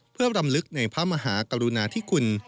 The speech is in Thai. เพื่อรำลึกในพระมหากรุณาธิคุณ